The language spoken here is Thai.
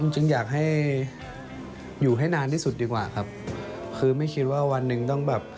จริงอยากให้อยู่ให้นานที่สุดดีกว่าครับคือไม่คิดว่าวันหนึ่งต้องแบบ